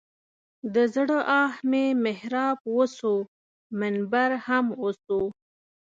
د زړه آه مې محراب وسو منبر هم وسو.